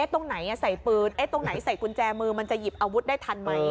ตรงไหนใส่ปืนตรงไหนใส่กุญแจมือมันจะหยิบอาวุธได้ทันไหม